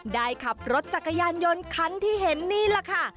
ขับรถจักรยานยนต์คันที่เห็นนี่แหละค่ะ